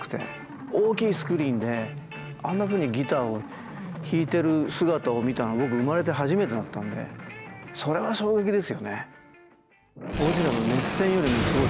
大きいスクリーンであんなふうにギターを弾いてる姿を見たのは僕生まれて初めてだったんでそれは衝撃ですよね。